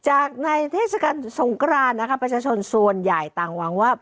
จากในเทศกาลสงครานนะคะประชาชนส่วนใหญ่ต่างหวังว่า